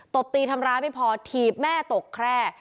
บตีทำร้ายไม่พอถีบแม่ตกแคร่